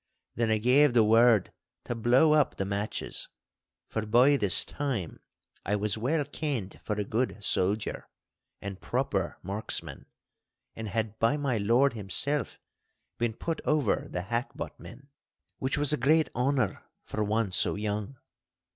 Then I gave the word to blow up the matches; for by this time I was well kenned for a good soldier and proper marksman, and had by my lord himself been put over the hackbuttmen, which was a great honour for one so young.